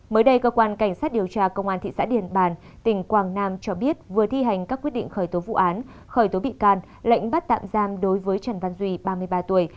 mới đây cơ quan cảnh sát điều tra công an thị xã điện bàn tỉnh quảng nam cho biết vừa thi hành các quyết định khởi tố vụ án khởi tố bị can lệnh bắt tạm giam đối với trần văn duy ba mươi ba tuổi